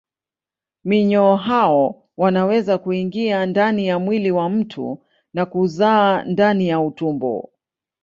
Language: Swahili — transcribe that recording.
Minyoo hao wanaweza kuingia ndani ya mwili wa mtu na kuzaa ndani ya utumbo.